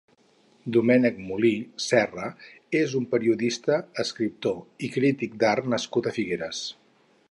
Domènec Moli Serra és un periodista, escriptor i crític d'art nascut a Figueres.